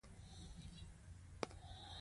ګاندي دا نظریه په فلسفي بڼه مطرح کړه.